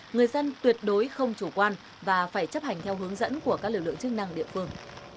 người dân tuyệt đối không chủ quan và phải chấp hành theo hướng dẫn của các lực lượng chức năng địa phương